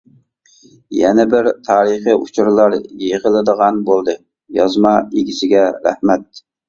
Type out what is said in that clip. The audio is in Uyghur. يەنە بىر تارىخى ئۇچۇرلار يىغىلىدىغان بولدى، يازما ئىگىسىگە رەھمەت!